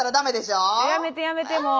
やめてやめてもう。